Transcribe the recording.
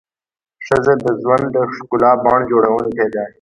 ښځه د ژوند د ښکلا بڼ جوړونکې ده.